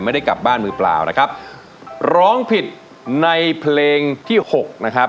ไม่ได้กลับบ้านมือเปล่านะครับร้องผิดในเพลงที่หกนะครับ